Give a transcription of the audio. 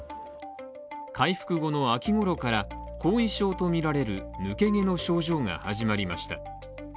回復後の秋ごろから後遺症とみられる抜け毛の症状が始まりました。